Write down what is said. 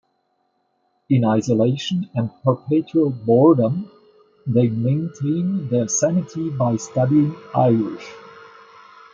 In isolation and perpetual boredom they maintain their sanity by studying Irish.